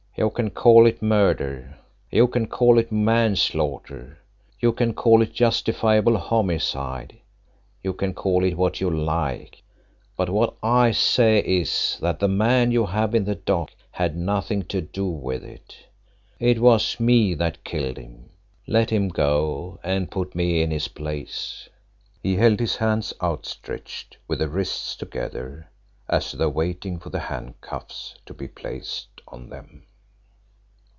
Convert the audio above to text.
"You can call it murder, you can call it manslaughter, you can call it justifiable homicide, you can call it what you like, but what I say is that the man you have in the dock had nothing to do with it. It was me that killed him. Let him go, and put me in his place." He held his hands outstretched with the wrists together as though waiting for the handcuffs to be placed on them.